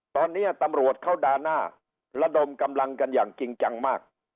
ตอนนี้ตำรวจเขาด่าหน้าระดมกำลังกันอย่างจริงจังมาก